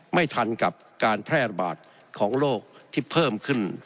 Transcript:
ไม่ทันกับการแพร่ระบาดของโรคที่เพิ่มขึ้น